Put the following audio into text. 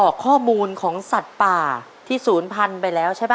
อกข้อมูลของสัตว์ป่าที่ศูนย์พันธุ์ไปแล้วใช่ป่